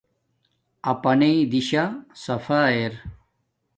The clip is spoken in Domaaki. اپناݵ دیشا صفا ارا